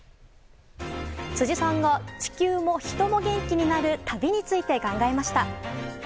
辻さんが地球も人も元気になる旅について考えました。